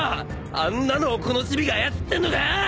あんなのをこのチビが操ってんのか！？